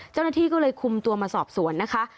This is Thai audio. เจ้าหน้าที่ก็เลยคุมตัวมาสอบสวนนะคะ